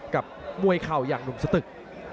กับมวยเข่าอย่างหนุ่มสตึก